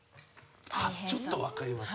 ちょっとわかりますね。